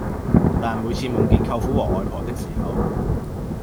但每次夢見舅父和外婆的時候